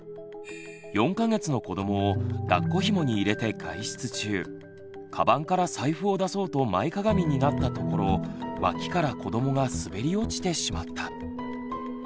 ４か月の子どもをだっこひもに入れて外出中かばんから財布を出そうと前かがみになったところ脇から子どもが滑り落ちてしまった。